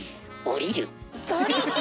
降りる！